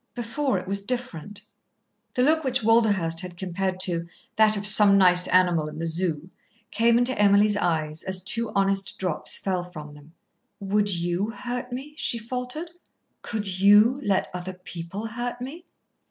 Before, it was different." The look which Walderhurst had compared to "that of some nice animal in the Zoo" came into Emily's eyes as two honest drops fell from them. "Would you hurt me?" she faltered. "Could you let other people hurt me?"